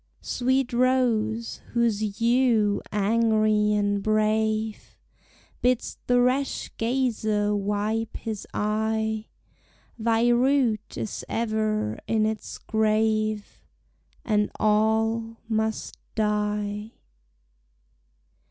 Sweet Rose, whose hue angrie and brave Bids the rash gazer wipe his eye, Thy root is ever in its grave, And all must die.